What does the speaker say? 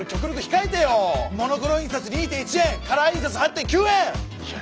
モノクロ印刷２．１円カラー印刷８．９円！